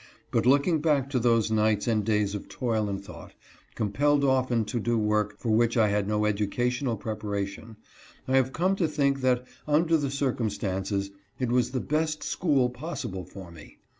But looking back to those nights and days of toil and thought, com pelled often to do work for which I had no educational preparation, I have come to think that, under the cir cumstances, it was the best school possible for me.